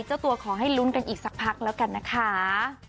เจ้าตัวขอให้ลุ้นกันอีกสักพักแล้วกันนะคะ